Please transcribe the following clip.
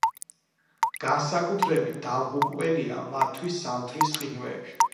განსაკუთრებით დამღუპველია მათთვის ზამთრის ყინვები.